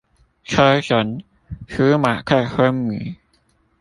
車神舒馬克昏迷